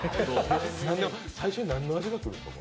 最初に何の味が来るんですか？